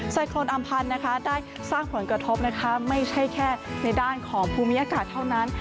ไซโครนอำพันธ์นะคะได้สร้างผลกระทบนะคะไม่ใช่แค่ในด้านของภูมิอากาศเท่านั้น